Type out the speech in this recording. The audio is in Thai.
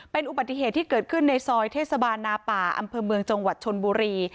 เป็นอุบัติเหตุที่เกิดขึ้นในซอยเทศบาลนาป่าอำเภอเมืองจังหวัดชนบุรี